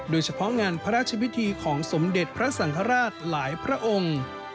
โดยเฉพาะงานพระราชพิธีของสมเด็จพระสังฆราชหลายพระองค์